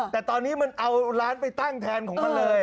แต่ตอนนี้มันเอาร้านไปตั้งแทนของมันเลย